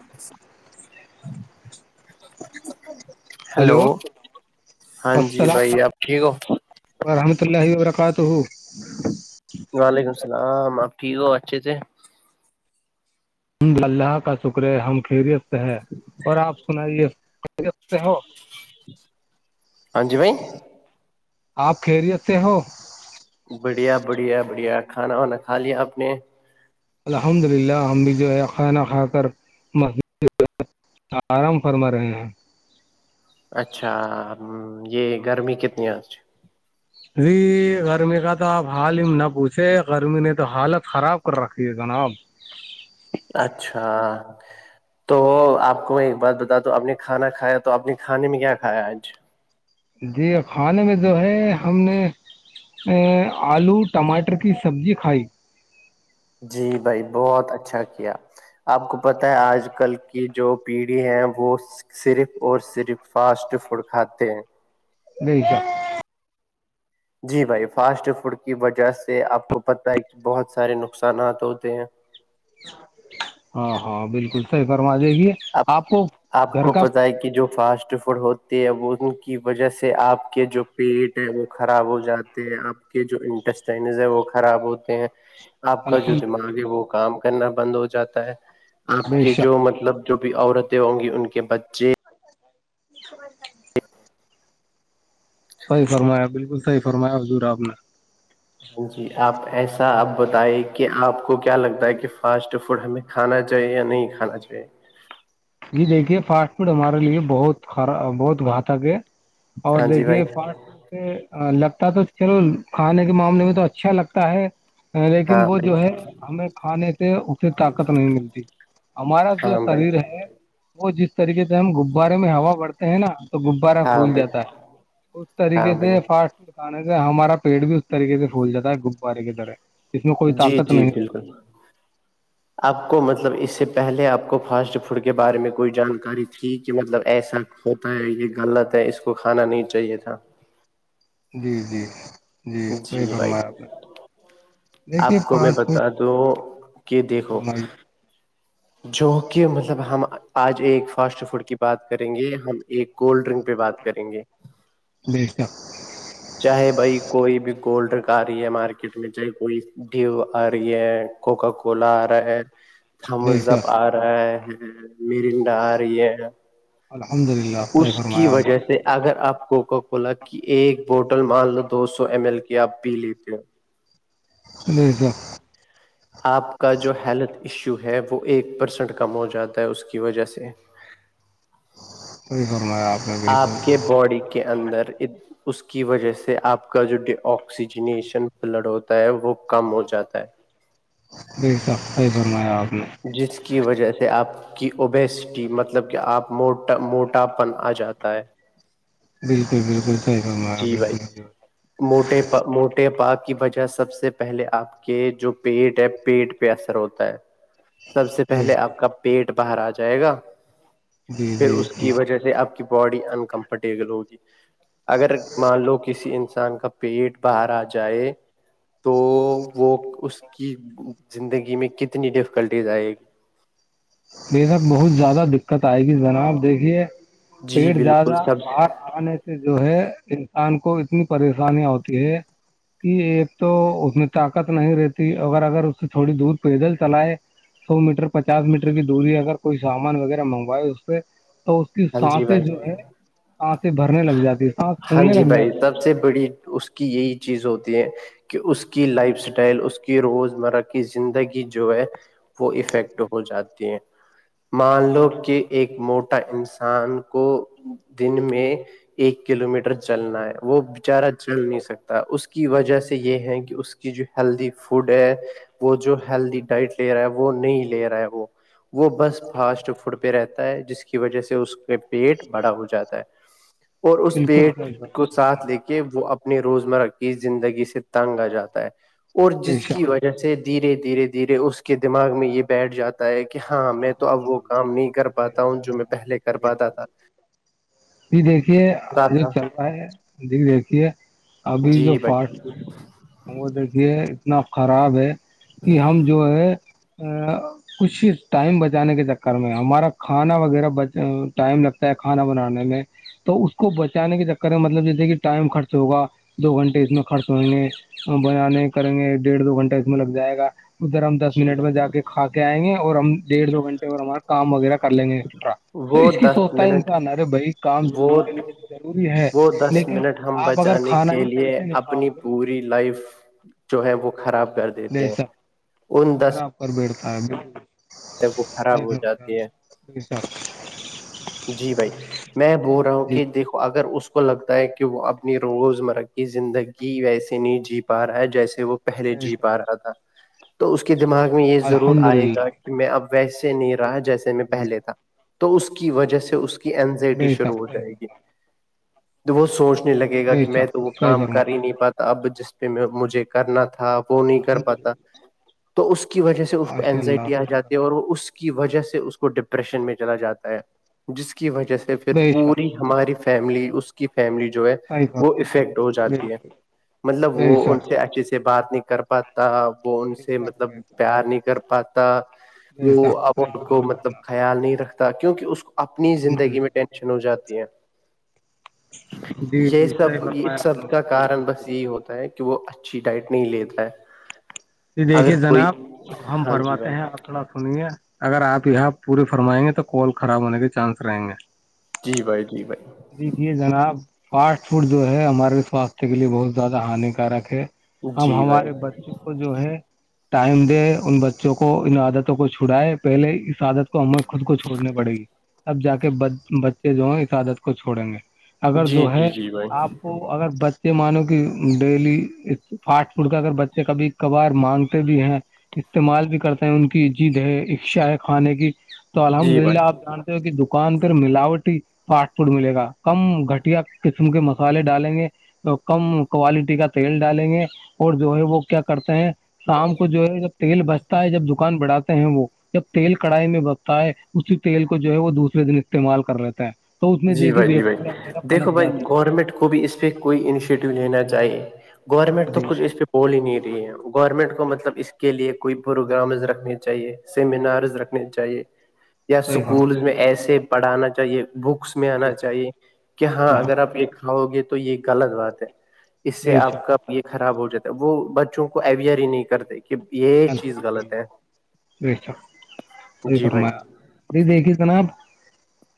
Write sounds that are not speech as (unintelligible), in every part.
ہچ (unintelligible) ہلو ہاں جی بھائی آپ ٹھیک ہو و رحمت اللہ کہاات تو ہو (unintelligible) (inaudible) وعلیکم السلام آپ ٹھیک ہو اچھے تھے مد اللہ کا شکر ہے ہم خیریت سے ہے اور آپ سنائیے خیریت سے ہو ہاں جی بھائی آپ خیریت سے ہو بڑھیا بڑھیا بڑھیا کھانا وانا کھا لیا آپ نے الحمد للہ ہم بھی جو ہے کھانا کھا کر م (unintelligible) آرام فرما رہے ہیں اچھا یہ گرمی کتنی ہے آج جی گرمی کا تو آپ حال ہی نہ پوچھے گرمی نے تو حالت خراب کر رکھی ہے جناب اچھا تو آپ کو میں ایک بات بتاات د اپ نے کھانا کھایا تو اپنے کھانے میں کیا کھایا آج (unintelligible) جی کھانے میں جو ہے ہم نے آلو ٹماٹر کی سبزی کھائی جی بھائی بہت اچھا کیا آپ کو پت ہے آج کل کی جو پیڑھی ہے وہ (unintelligible) صرف اور صرف فاسٹ فوڈ کھاتے ہیں نہیں گا (unintelligible) جی بھائی فاسٹ فوڈ کی وجہ سے آپ کو پتہ ہے کہ بہت سارے نقصانات ہوتے ہیں ہاں ہاں بالکل صحیح فرما جے گیے اب آپ کو پت ہے کہ جو فاسٹ ف (unintelligible) پڑ ہوتے ہے ان کی وجہ سے آپ کے جو پیٹ ہیں وہ خراب ہو جات (unintelligible) آپ کے جو انٹسٹائنز ہیں وہ خراب ہوتے ہیں چ (unintelligible) آپ کا جو دماغ ہے وہ کام کرنا بند ہو جاتا ہے آپ بے کے شک جو مطلب جو بھی عورتیں ہوں گی ان کے بچے ج خبر (unintelligible) صحی فرمایا بالکل صحی فرمایا حبضور آپ نے (unintelligible) جی آپ ایسا آپ بتائیں کہ آپ کو کیا لگتا ہے کہ فاسٹ فوڈ ہمیں کھانا چاہیے یا نہیں کھانا چاہیے جی دیکھیے فاسٹ فوڈ ہمارے لیے بہت خرا بہت گھاتک ہے اور ہاں جی بھائی دیکھیے فاسٹ فڈ لگتا تو چلو کھانے کے معاملے میں تو اچھا لگتا ہے لیکن ہاں وہ بھائی جو ہے ہمیں کھانے سے اس سے طاقت نہیں ملتی ہمارا جو ہاں بھائی شریر ہے وہ جس طریقے سے ہم غبارے میں ہوا بڑھتے ہیں نا تو غبارہ ہاں پھول بھائی جاتا ہے اس ہاں طریقے سے بھائی فاسٹ فوڈ کھانے سے ہمارا پیٹ بھی اس طریقے سے پھول جا ہے غبارے کی طرح اس میں کوئی جی طاقت جی نہیں ہے بالکل آپ کو مطلب اس سے پہلے آپ کو فاسٹ فوڈ کے بارے میں کوئی جانکاری تھی کہ مطلب ایسا ہوتا ہے یہ غلط ہے اس کو کھانا نہیں چاہیے تھا جی جی جی صحیح فرمایا آپ نے آپ دیکھیے کو میں فاسٹ بتا فوڈ د کہ دیکھو فرمائی جو کہ مطلب ہم آج ایک فاسٹ فوڈ کی بات کریں گے ہم ایک کولڈ ڈرنک پہ بات کریں گے (unintelligible) چاہے بھائی کوئی بھی گولڈر ک رہی ہے مارکیٹ میں چاہے کوئی ڈھیو اور یہ ہے کوکا کولا آ رہا ہے بے تھمزاپ شک آ رہے ہیں مرینڈا آ رہی ہے الحمد للہ اس صحیح کی فرمایا آپ وجہ نے سے اگر آپ کوکا کولا کی ایک بوٹل مان لو دو سو ایم ایل کی آپ پی لیتے ہو جی سر آپ کا جو ہیلتھ ایشو ہے وہ ایک پرسنٹ کم ہو جاتا ہے اس کی وجہ سے کوئی گم ہے آپ نے بالکل آپ کے باڈی کے اندر اس کی وجہ سے آپ کا جو ڈی آکسیجنییشن بلڈ ہوتا ہے وہ کم ہو جاتا ہے بلکل صحیح فرمایا آپ نے جس کی وجہ سے آپ کی اوبیسٹی مطلب کہ آپ موا موٹاپن آ جاتا ہے بالکل بالکل صحیح فرمایا آپ جی نے بھائی موٹے موٹے پا کی وجہ سب سے پہلے آپ کے جو پیٹ ہے پیٹ پہ اثر ہوتا ہے سب سے بے پہلے شک، آپ کا پیٹ باہر آ جائے گا جی پھر جی اس جی کی وجہ سے آپ باڈی انکمفرٹیبل ہوگی اگر مان لو کسی انسان کا پیٹ بر آ جائے تو وہ اس کی زندگی میں کتنی ڈفیکلٹیز آئے گی بے تک بہت زیادہ دقت آئے گی نا آپ دیکھیے جی پیٹ بالکل زیادہ سب بر آنے سے جو ہے انسان کو اتنی پریشانییا ہوتی ہے کہ ایک تو اس میں طاقت نہیں رہتی اگر اگر اس سے تھوڑی دور پیدل چلائے سو میٹر پچاس میٹر کی دوری اگر کوئی سامان وغیرہ منگوائے اس سے تو اس کے ہاں جی ساتھ بھائی جو ہے سانسیں بھرنے لگ جاتی ہے سانس ہاں پھولنے جی لگ بھائی جاتی ہے سب سے بڑی اس کی یہی چیز ہوتی ہے کہ اس کی لائف اسٹائل اس کی روزمرہ کی زندگی جو ہے وہ افیکٹ ہو جاتی ہے مان لو کہ ایک موٹا انسان ان کو دن میں ایک کلو میٹر چلنا ہے وہ بچارا چل نہیں سکتا اس کے کی وجہ سے یہ ہے کہ اس کی جو ہیلدی فوڈ ہے وہ جو ہیلدی ڈائٹ لے رہا ہے وہ نہیں لے رہا ہے وہ وہ بس فاسٹ فوڈ پہ رہتا ہے جس کی وجہ سے اس کے پیٹ بڑا ہو جاتا ہے اور اس بالکل پیٹ صحیح کو فرمایا، ساتھ لے کے کہ وہ اپنی روزمرہ کی زندگی سے تنگ آ جاتا ہے اور بے جس کی شک وجہ جیسے دھیرے دھیرے دھیرے اس کے دماغ میں یہ بیٹھ جاتا کہ ہاں میں تو الحمد اب وہ للہ کام نہیں کر صحیح پاتا ہوں جو میں فرمایا، پہلے کر بے پاتا تھا شک۔ دیکھیے تا تھا چل رہا ہے د دیکھیے ابھی جی جو بھائی فاسٹ فوڈ ہے وہ دیکھیے اتنا خراب ہے کہ ہم جو ہے کھ ٹائم بچانے کے چکر میں ہمارا کھانا وغیرہ ب ٹائم لگتا ہے کھانا بنانے میں تو اس کو بچانے کے چکر میں مطلب جیسے کہ ٹائم خرچ ہوگا دو گھنٹے اس میں خرچ ہوںیں گے بنانے کریں گے ڈیڑھ دو گھنٹہ اس میں لگ جائے گا ادھر ہم دس جی منٹ میں جا بھائی کے کھا کے آئیں گے اور ہم ڈیڑھ دو گنٹے اور ہمارا کام وغیرہ کر لیں گے ایکسٹرا تو وہ اس کی دس سوچتا ہے منٹ انسان ارے بھائی کام وہ جلی کے ضروری ہے وہ دس لیکن منٹ ہم آپ اگر بچانے کھانا کے ہی صحیح لیے سے نہیں کاؤ اپنی گے تو پوری لائف جو ہے وہ خراب کرتی دیسا خراب کر بیڑتا ہے وہ خراب ہو جاتی ہے بے شک جی بھائی میں بول رہا ہوں جی کہ دیکھو اگر اس کو لگتا ہے کہ وہ اپنی روزمرہ کی زندگی ویسے نہیں جی پا رہا ہے جیسے وہ پہلے بے جی شک پ آ رہا تھا تو اس کے دماغ میں یہ ضرور الحمد آئے للہ گا کہ میں اب ویسے نہیں رہا جیسے میں جی پہلے تھا تو اس کی وجہ سے اس کی اینزائٹی بے شروع ہو شک جائے گی وہ سوچ م لگے گا بے کہ میں شک تو وہ صحیح کام کر ہی فرمایا نہیں پاتا اب جس پہ مجھے کرنا تھا وہ نہیں کر الحمد پاتا للہ تو اس کی وجہ سے اس کو ماشاء اینزائٹی اللہ آ جاتی ہے وہ اس کی وجہ سے اس کو ڈپریشن میں چلا جاتا ہے جس کی وجہ سے پھر بے شک پوری ہماری فیملی اس کی فیملی جو ہے صحیح وہ فرمایا افیکٹ ہو جاتی ہے بالکل مطلب وہ بے ان شک سے اچھے سے بات نہیں کر پا پاتا وہ ان بے سے شک مطلب بے شک پیار نہیں کر پاتا بے وہ شک ا صحیح کو فرمایا آپ مطلب نے خیال نہیں رکھتا کیونکہ اس کو اپنی الحمد زندگی میں للہ ٹینشن ہو جاتی ہے جی یہ جی صحیح سب یہ فرمایا آپ سب نے کا بالکل کارن صحیح بس یہ فرمایا ہوتا ہے کہ وہ اچھی ڈائٹ نہیں لیتا ہے ج دیکھیے اگر کوئی جناب ہم ہاں جی فرمات بھائی ہیں آپ تھوڑا سنیے اگر آپ یہاں پوری فرمائیں گے تو کال خراب ہونے کے چانس رہیں گے جی بھائی جی بھائی دیکھیے جناب فاسٹ فوڈ جو ہے ہمارے سواستھ کے لیے بہت زیادہ ہانیکارک ہے ہم جی بھائی ہمارے بچوں کو کو جو ہے ٹائم دے ان بچوں کو ان عادتوں کو چھڑائے پہلے اس عادت کو ہمیں خود کو چھوڑنی پڑے گی اب جا کے بچے جو ہیں اس عادت کو چھوڑیں گے اگر جی جو جی ہے جی بھائی آپ کو اگر بچے مانو کہ ڈیلی فاسٹ فوڈ کا اگر بچے کبھی کبھار مانگتے بھی ہیں استعمال بھی کرتے ہیں ان کی جد ہے اشا ہے کھانے کی تو الحمد جی للہ بھائی آپ جانتے ہو کہ دکان پہ ملاوٹ فاسٹ فوڈ ملے گا کم گھٹیا قسم کے مسالے ڈالیں گے کم کوالٹی کا تیل ڈالیں گے اور جو ہے وہ کیا کرتے ہیں شام کو جو ہے جب تیل بچتا ہے جب دکان بڑھاتے ہیں وہ جب تیل کڑھائی میں بگتا ہے اسی تیل کو جو ہے وہ دوسرے دن استعمال کر لیتا ہے تو اس میں جی دیکھی بھائی جی بھائی بیکٹیریا وغیرہ دیکھو پنپ بھائی جاتے ہیں گورنمنٹ کو بھی اس پہ کوئی اننیشیٹو لینا چاہے گورنمنٹ تو جی کچھ اس پہ بول ہی نہیں رہی ہے گورنمنٹ کو مطلب اس کے لیے کوئی پروگرامز رکھنے چاہیے سیمینارز رکھنے چاہیے یا صحیح اسکول فرمایا میں ایسے پڑھانا چاہیے بک میں آنا چاہیے کہ ہاں اگر آپ یہ کھاؤ گے تو یہ غلط بات ہے اس سے بے آپ شک کا یہ خراب ہو جاتا ہے وہ بچوں کو اویئر ہی نہیں کر د کہ یہ چیز الحمد للہ بے شک الحمد غلط للہ ہے جی بھائی ج دیکھیے جناب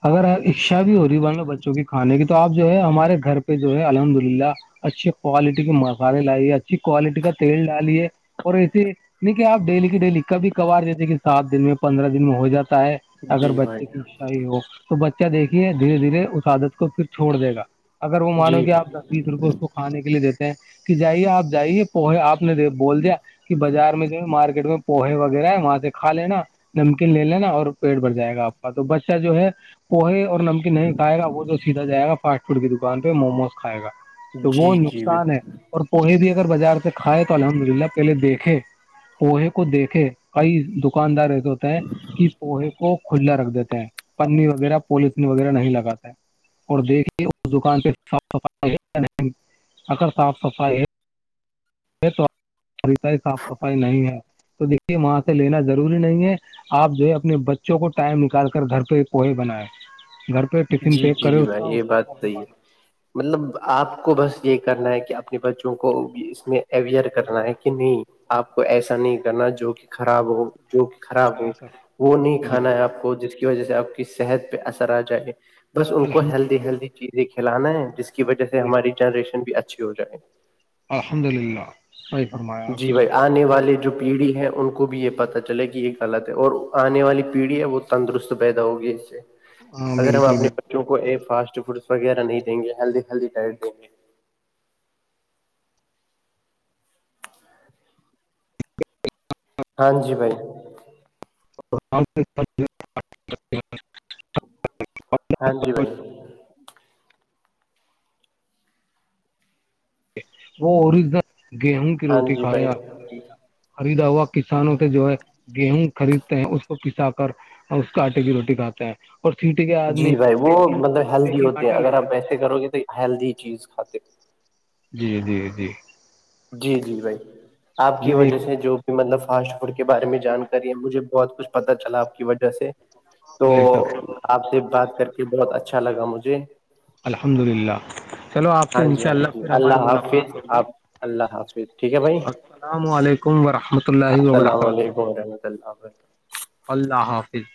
اگر آپ اچھا بھی ہو رہی ہے بان لو بچوں کے کھانے کی تو تو آپ جو ہے ہمارے گھر پہ جو ہے الحمد للہ اچھی کوالٹی کے مسالے لائیے اچھی کوالٹی کا تیل ڈالیے اور ایسے نہیںیک آپ ڈیلی کی ڈیلی کبھی کبار جتے کہ سات دن میں پندرہ دن میں ہو جاتا ہے اگر جی بھائی بچے کی اشائی ہو تو بچہ دیکھیے دھیرے دھیرے اس عادت کو پھر چھوڑ دے گا اگر وہ جی مانوے بھائی آپ بیس روپئے اس کو کھانے کے لیے دیتے ہیں کہ جائیے آپ جائیے پو آپ نے بول دیا کہ بازار میں جو ہے مارکیٹ میں پوہے وغیرہ ہے وہاں سے کھا لینا نمکین لے لینا اور پیٹ بھر جائے گا آپ کا تو بچہ جو ہے وہ ہے اور نمکین نہیں کھائے گا وہ تو سیدا جائے گا فاسٹ فوڈ کی دکان پہ مووموز کھائے گا تو وہ جی جی نقصان ہے اور پوہے بھی اگر بازار سے کھائے تو الحمد للہ پہلے دیکھے پوہے کو دیکھے کئی دکاندار ایسے ہوتے ہیں کہ پوہے کو کھلا رکھ دیتے ہیں پنی وغیرہ پلیسنی وغیرہ نہیں لگاتے اور دیکھیے اس دکان پہ صاف صفائی اگر صاف صفائی ہے تو صاف صفائی نہیں ہے تو دیکھیے وہاں سے لینا ضروری نہیں ہے آپ جو ہے اپنے بچوں کو ٹائم نکال کر گھر پہ کووہے بنیں گھر پہ ٹفن جی پیک جی کرے جی اس کا بھائی یہ اس کو بات پ صحیح ہے باند مطلب آپ کو بس یہ کرنا ہے کہ اپنے بچوں کو اس میں اویئر کرنا ہے کہ نہیں آپ کو ایسا نہیں کرنا جو کہ خراب ہو جو کہ خراب ہو جی سر وہ نہیں جی کھانا ہے جی آپ کو جس کی وجہ سے آپ کی صحت پہ اثر آ جائے بس ان کو الحمد ہیلدی ہیلدی چیزیں کھلانا ہے جس کی وجہ سے للہ ہماری جنریشن بھی اچھی ہو جائے الحمد للہ بیح فرمایا آ جی اپنا بھائی آنے والے جو پیڑھی ہے ان کو بھی یہ پتہ چلے کہ یہ غلط ہے اور آنے والی پیڑھی ہے وہ تندرست پیدا ہوگی اس سے نے ہاں اگر ہم بالکل اپنے بچوں کو فاسٹ فوڈس وغیرہ نہیں دیں گے ہیلدی ہیلدی ڈائٹ دیں گے ہاں جی بھائی (unintelligible) ہاں جی بھائی وہ اوریجنل گیہوں کی ہاں روٹی جی کھا رہے بھائی ہیں الحمد للہ خریدا ہوا کسانوں سے جو ہے گیہوں خریدتے ہیں اس کو پسا کر اس کے آٹے کی روٹی کھاتے ہیں اور سیٹی کے جی آدمی بھائی وہ پیکنگ مطلب ہیلدی پیکنگ ہوتے ہیں آٹا لے اگر آپ لیتا ہے ایسے کرو گ تو ہیلدی چیز کھاتے جی جی جی جی جی بھائی آپ کی جی وجہ سے دیکھیے جو مطلب فاسٹ فوڈ کے بارے میں جانکاری ہے مجھے بہت کچھ پتا چلا آپ کی وجہ سے تو جی سب آپ سے بات کر کے بہت اچھا لگا مجھے الحمد للہ چلو آپ سے ہاں جی انشاء ہاں اللہ جی پھر ہماری اللہ ملاقات حافظ ہوگی آپ اللہ حافظ ٹھیک ہے بھائی السلام علیکم ورحمۃ اللہ السلام وبرکاتہ علیکم ورحمۃ اللہ وبرکاتہ اللہ حافظ